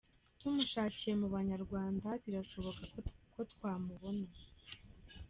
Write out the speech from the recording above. Tumushakiye mu Banyarwanda, birashoboka ko twamubona.